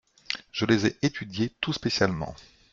Je les ai étudiés tout spécialement.